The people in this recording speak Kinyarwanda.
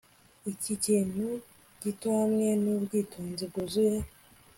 Iki kintu gito hamwe nubwitonzi bwuzuye